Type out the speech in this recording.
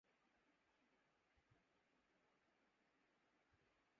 یہ لوگ کیوں مرے زخمِ جگر کو دیکھتے ہیں